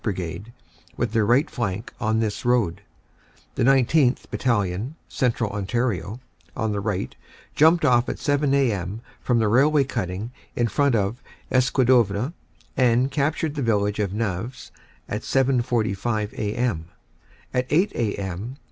Brigade, with their right flank on this road. The 19th. Battalion, Central Ontario, on the right jumped off at 7 a.m. from the railway cutting in front of Escaudoeuvres, and captured the village of Naves at 7.45 a.m. At 8 a.m.